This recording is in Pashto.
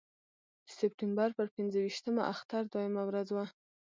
د سپټمبر پر پنځه ویشتمه اختر دویمه ورځ وه.